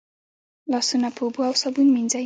لاسونه په اوبو او صابون مینځئ.